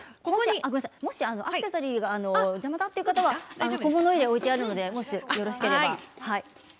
もしアクセサリーが邪魔だっていう方は小物入れが置いてあるので外していただけたら。